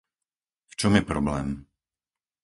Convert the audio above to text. V čom je problém?